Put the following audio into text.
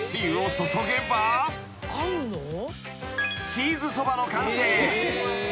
［チーズそばの完成。